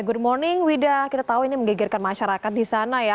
good morning wida kita tahu ini menggegerkan masyarakat di sana ya